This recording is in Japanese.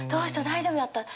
大丈夫やった？